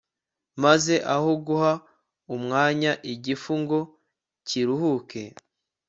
maze aho guha umwanya igufu ngo kiruhuke